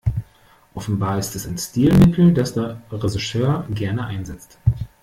Offenbar ist es ein Stilmittel, das der Regisseur gerne einsetzt.